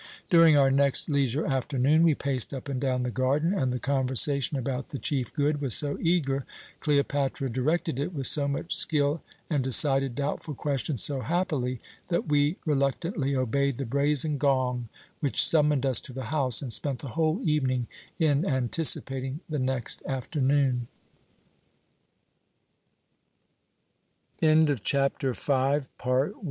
"During our next leisure afternoon we paced up and down the garden, and the conversation about the chief good was so eager, Cleopatra directed it with so much skill, and decided doubtful questions so happily, that we reluctantly obeyed the brazen gong which summoned us to the house, and spent the whole evening in anticipating the next